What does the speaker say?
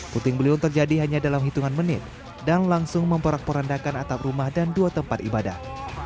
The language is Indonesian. puting beliung terjadi hanya dalam hitungan menit dan langsung memporak porandakan atap rumah dan dua tempat ibadah